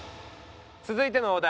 続いてのお題